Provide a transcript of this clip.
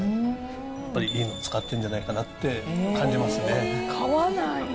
やっぱりいいのを使ってるんじゃないのかなって感じますね。